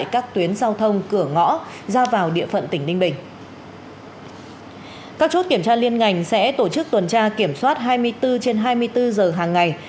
các chốt kiểm tra liên ngành sẽ tổ chức tuần tra kiểm soát hai mươi bốn trên hai mươi bốn giờ hàng ngày